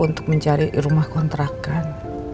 untuk mencari rumah kontrakan